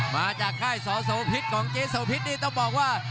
มาจากค่ายสอโสพิษของเจ๊โสพิษนี่ต้องบอกว่า